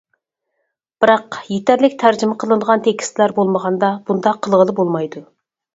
بىراق يېتەرلىك تەرجىمە قىلىنغان تېكىستلەر بولمىغاندا بۇنداق قىلغىلى بولمايدۇ.